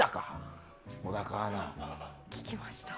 聞きました。